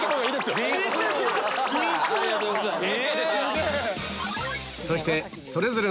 ありがとうございます。